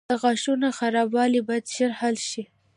• د غاښونو خرابوالی باید ژر حل شي.